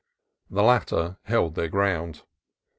The latter held their ground.